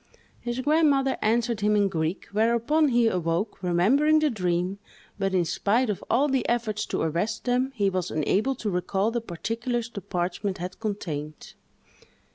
His grandmother answered him in Greek, whereupon he awoke, remembering the dream, but, in spite of all the efforts to arrest them, he was unable to recall the particulars the parchment had contained.